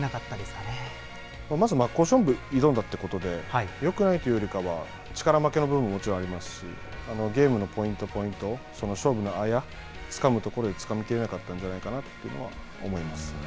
まず、真っ向勝負、挑んだっていうことで、よくないというよりかは、力負けの部分ももちろんありますし、ゲームのポイント、ポイント、勝負のあや、つかむところでつかみきれなかったんじゃないかなというのは思います。